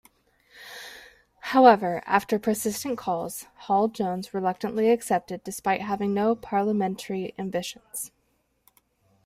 However, after persistent calls, Hall-Jones reluctantly accepted despite having no parliamentary ambitions.